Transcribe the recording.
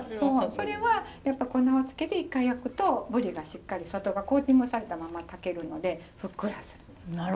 それはやっぱ粉をつけて一回焼くとぶりがしっかり外がコーティングされたまま炊けるのでふっくらする。